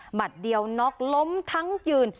มัดเดียวน็อกล้มทั้งยืน